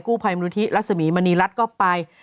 กู้ภัยมนุษย์ที่รัศมีมณีรัฐก็ไป